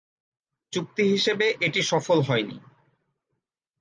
চুক্তি হিসেবে এটি সফল হয়নি।